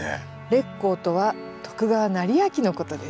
烈公とは徳川斉昭のことです。